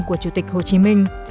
của chủ tịch hồ chí minh